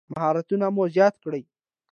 مهارتونه مو زیات کړئ